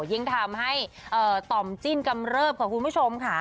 ยิ่งทำให้ต่อมจิ้นกำเริบค่ะคุณผู้ชมค่ะ